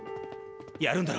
やるんだろ？